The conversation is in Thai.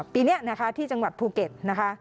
ปีนี้นะคะที่จังหวัดภูเก็ตนะคะ